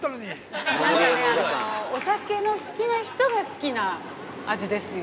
お酒の好きな人が好きな味ですよ